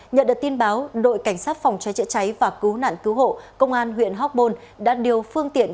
nhận được tin báo đội cảnh sát phòng cháy chữa cháy và cứu nạn cứu hộ công an huyện hóc môn đã điều phương tiện